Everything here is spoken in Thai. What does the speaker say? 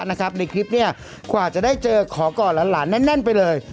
ในคลิปกว่าจะได้เจอขอก่อนแล้วหรั่งแน่นเลย